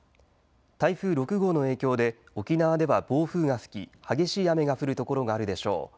台風６号の影響で沖縄では暴風が吹き激しい雨が降る所があるでしょう。